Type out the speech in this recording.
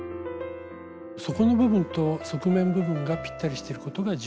底の部分と側面部分がぴったりしていることが重要です。